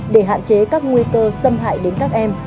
để hạn chế các nguy cơ xâm hại đến các em